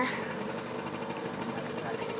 masih tidak takut banget